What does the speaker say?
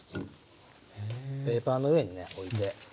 ペーパーの上にね置いて。